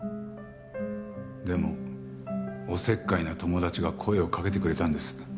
でもおせっかいな友達が声をかけてくれたんです。